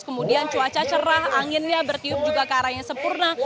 kemudian cuaca cerah anginnya bertiup juga ke arahnya sempurna